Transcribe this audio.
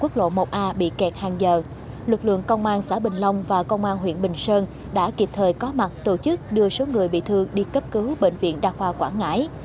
quốc lộ một a bị kẹt hàng giờ lực lượng công an xã bình long và công an huyện bình sơn đã kịp thời có mặt tổ chức đưa số người bị thương đi cấp cứu bệnh viện đa khoa quảng ngãi